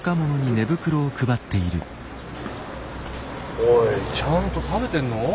おいちゃんと食べてんの？